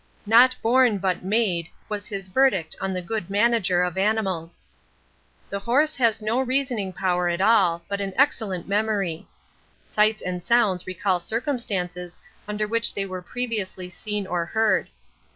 'Not born but made' was his verdict on the good manager of animals. 'The horse has no reasoning power at all, but an excellent memory'; sights and sounds recall circumstances under which they were previously seen or heard.